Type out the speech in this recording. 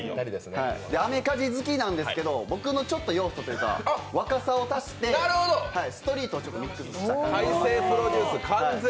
アメカジ好きなんですけど、僕の要素というか、若さを足してストリートをちょっとミックスして。